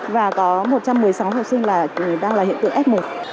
và có một trăm một mươi sáu học sinh là đang là hiện tượng f một